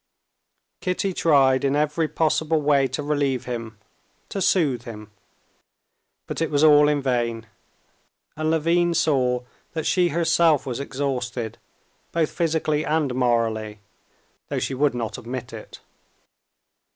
Kitty tried in every possible way to relieve him, to soothe him; but it was all in vain, and Levin saw that she herself was exhausted both physically and morally, though she would not admit it.